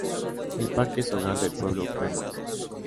El parque es hogar del pueblo pemón.